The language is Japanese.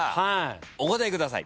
お答えください。